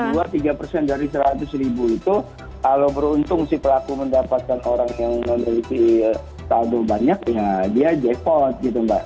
dan dua tiga dari seratus itu kalau beruntung si pelaku mendapatkan orang yang memiliki saldo banyak ya dia jepot gitu mbak